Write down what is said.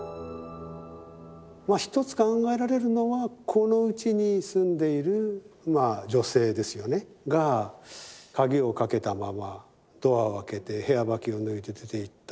一つ考えられるのはこの家に住んでいる女性ですよねが鍵をかけたままドアを開けて部屋履きを脱いで出ていった。